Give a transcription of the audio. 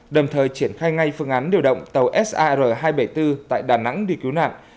đồng thời triển khai ngay phương án điều động tàu sar hai trăm bảy mươi bốn tại đà nẵng đi cứu nạn